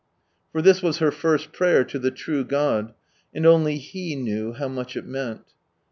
For this was her first [)raycr to the true God, and only He knew how much it meant.